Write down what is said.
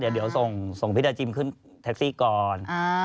เดี๋ยวส่งพี่ดาจิมขึ้นแท็กซี่ก่อน